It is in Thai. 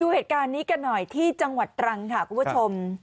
เหตุการณ์นี้กันหน่อยที่จังหวัดตรังค่ะคุณผู้ชม